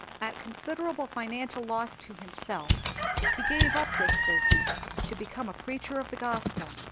At considerable financial loss to himself he gave up this business to become a preacher of the Gospel.